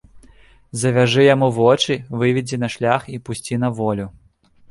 Завяжы яму вочы, выведзі на шлях і пусці на волю!